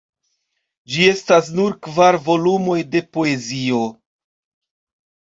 Ĝi estas nur kvar volumoj de poezio.